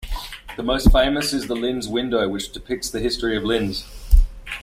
The most famous is the Linz Window, which depicts the history of Linz.